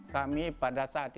kami pada saatnya